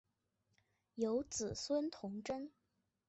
有子孙同珍。